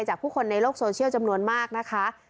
ผู้คนในโลกโซเชียลจำนวนมากนะคะ